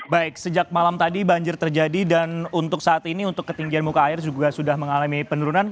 baik sejak malam tadi banjir terjadi dan untuk saat ini untuk ketinggian muka air juga sudah mengalami penurunan